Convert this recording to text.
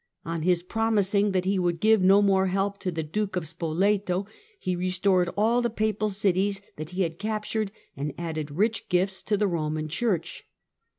On his promising that he vould give no more help to the Duke of Spoleto he estored all the Papal cities that he had captured and ,dded rich gifts to the Roman Church.